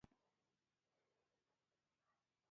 دا دواړه د انسان تر ټولو ستر ځواکونه دي.